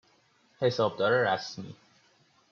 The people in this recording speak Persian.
حسابدار رسمی